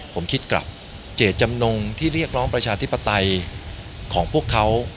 ผมคิดกลับเจตจำนงที่เรียกร้องประชาธิปไตยของพวกเขา